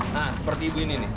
nah seperti ibu ini nih